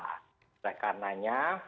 nah saya karenanya